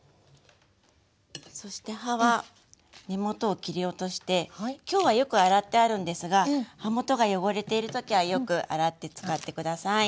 そして葉は根元を切り落として今日はよく洗ってあるんですが葉元が汚れている時はよく洗って使って下さい。